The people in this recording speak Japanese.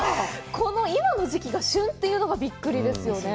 この今の時期が旬というのがびっくりですよね。